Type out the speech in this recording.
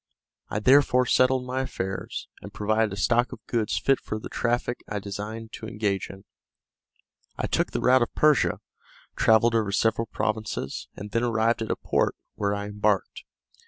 I therefore settled my affairs, and provided a stock of goods fit for the traffic I designed to engage in. I took the route of Persia, travelled over several provinces, and then arrived at a port, where I embarked.